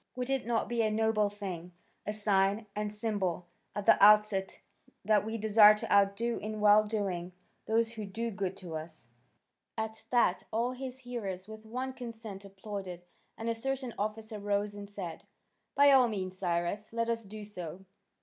Would it not be a noble thing, a sign and symbol at the outset that we desire to outdo in well doing those who do good to us?" At that all his hearers with one consent applauded, and a certain officer rose and said: "By all means, Cyrus, let us do so.